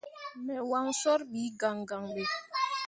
Me wancor ɓi gangan ɓe.